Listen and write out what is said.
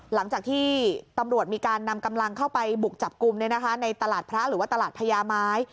หลังจากที่ตำรวจมีการนำกำลังเข้าไปบุกจับกลุ่มในตลาดพระหรือว่าตลาดพญาไม้